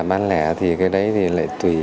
bán lẻ thì cái đấy thì lại tùy